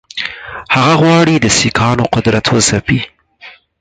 هغه غواړي د سیکهانو قدرت وځپي.